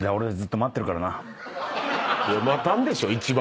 待たんでしょ一番。